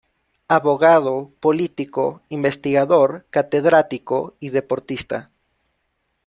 Abogado, político, investigador, catedrático y deportista.